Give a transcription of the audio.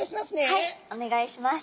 はいお願いします。